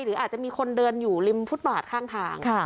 หรืออาจจะมีคนเดินอยู่ริมฟุตบาทข้างทาง